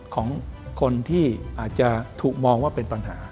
ของคนที่อาจจะถูกมองว่าเป็นปัญหา